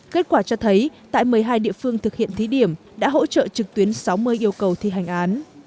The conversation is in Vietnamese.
kết quả cho thấy tại một mươi hai địa phương thực hiện thí điểm đã hỗ trợ trực tuyến sáu mươi yêu cầu thi hành án